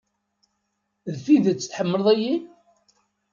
D tidet tḥemmleḍ-iyi?